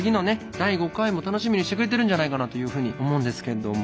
第５回も楽しみにしてくれてるんじゃないかなというふうに思うんですけども。